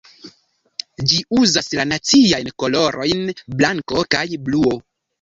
Ĝi uzas la naciajn kolorojn blanko kaj bluo.